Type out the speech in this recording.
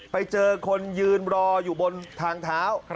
ไปเจอคนยืนรออยู่บนทางเท้า